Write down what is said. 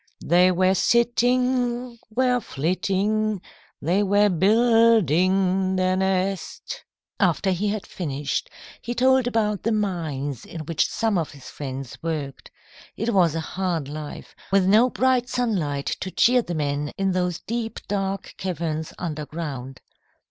They were sitting, were flitting, They were building their nest." [Illustration: BERTHA'S HOME.] After he had finished, he told about the mines in which some of his friends worked. It was a hard life, with no bright sunlight to cheer the men in those deep, dark caverns underground.